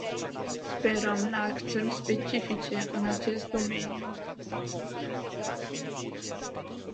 Sperăm la acțiuni specifice în acest domeniu.